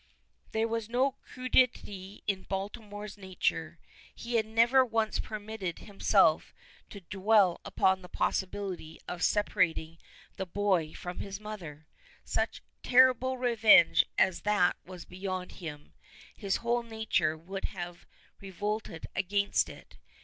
There was no crudity in Baltimore's nature. He had never once permitted himself to dwell upon the possibility of separating the boy from his mother. Such terrible revenge as that was beyond him, his whole nature would have revolted against it.